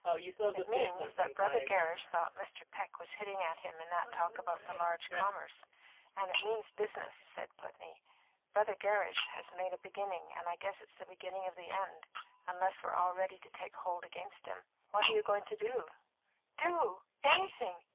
"It means that Brother Gerrish thought Mr. Peck was hitting at him in that talk about the large commerce, and it means business," said Putney. "Brother Gerrish has made a beginning, and I guess it's the beginning of the end, unless we're all ready to take hold against him. What are you going to do?" "Do? Anything!